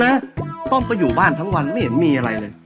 ต้มเข้าชัดไปอยู่บ้านทั้งวันไม่เห็นมีอะไรเลย